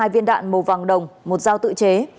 ba mươi hai viên đạn màu vàng đồng một dao tự chế